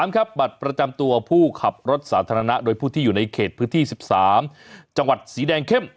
ครับบัตรประจำตัวผู้ขับรถสาธารณะโดยผู้ที่อยู่ในเขตพื้นที่๑๓จังหวัดสีแดงเข้ม